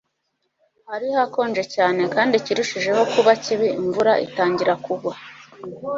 Hari hakonje cyane kandi ikirushijeho kuba kibi imvura itangira kugwa